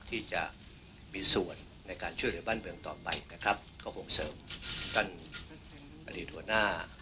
ที่จะมีส่วนในการช่วยในบ้านเมืองต่อไปนะครับก็คงเสริมการประดิษฐ์หัวหน้า